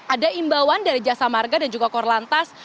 ada imbauan dari jasa marga dan juga korlantas